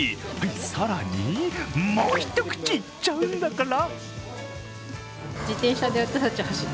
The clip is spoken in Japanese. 更に、もう一口いっちゃうんだから。